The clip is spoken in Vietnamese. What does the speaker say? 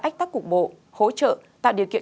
ách tắc cục bộ hỗ trợ tạo điều kiện